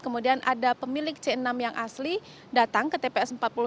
kemudian ada pemilik c enam yang asli datang ke tps empat puluh lima